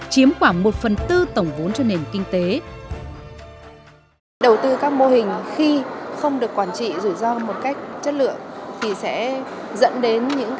chiếm khoảng một phần tư tổng vốn cho nền kinh tế